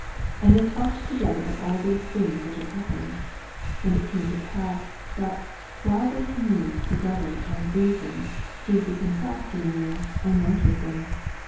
14 And they talked together of all these things which had happened. 16 And it came to pass, tnat, while they communed together and reasoned, Jesus himself drew near, and went with them.